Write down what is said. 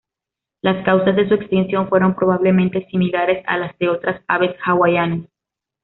Las causas de su extinción fueron probablemente similares a las de otras aves hawaianas.